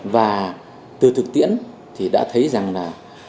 và từ thực tiễn thì đã thấy rằng là